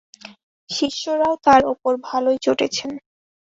শিষ্যরাও তাঁর ওপর ভালোই চটেছেন।